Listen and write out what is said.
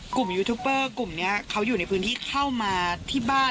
ยูทูปเปอร์กลุ่มนี้เขาอยู่ในพื้นที่เข้ามาที่บ้าน